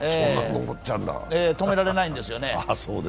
止められないんですよね。